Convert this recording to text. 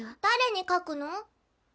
誰に書くの？